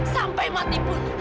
sampai mati pun